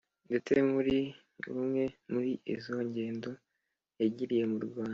ndetse muri rumwe muri izo ngendo yagiriye mu rwanda,